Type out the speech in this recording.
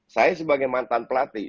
saya sebagai mantan pelatih